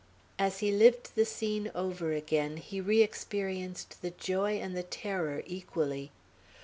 As he lived the scene over again, he re experienced the joy and the terror equally.